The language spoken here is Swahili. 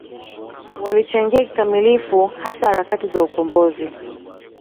Walichangia kikamilifu hasa harakati za ukombozi